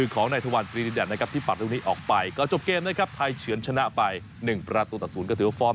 ก็จะทำกากเป็นพอรพฤตของทีมชาติไทยไปลองฟังบางตอนกันครับ